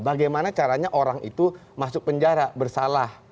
bagaimana caranya orang itu masuk penjara bersalah